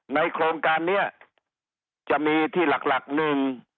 ในโครงการนี้จะมีที่หลักหนึ่ง